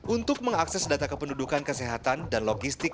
untuk mengakses data kependudukan kesehatan dan logistik